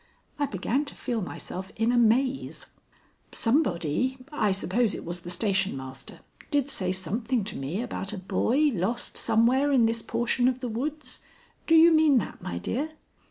I began to feel myself in a maze. "Somebody I suppose it was the station master did say something to me about a boy lost somewhere in this portion of the woods. Do you mean that, my dear?"